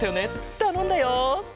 たのんだよ。